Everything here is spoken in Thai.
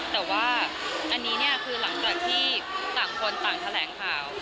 แต่ว่าอันนี้เนี่ยคือหลังจากที่ต่างคนต่างแถลงข่าว